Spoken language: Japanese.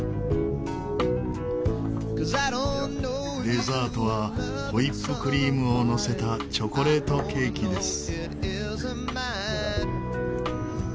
デザートはホイップクリームをのせたチョコレートケーキです。